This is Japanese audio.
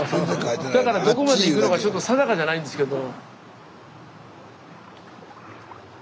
だからどこまで行くのかちょっと定かじゃないんですけど。